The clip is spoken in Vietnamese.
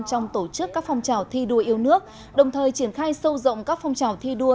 trong tổ chức các phong trào thi đua yêu nước đồng thời triển khai sâu rộng các phong trào thi đua